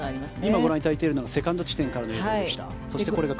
今ご覧いただいているのがセカンド地点からの映像でした。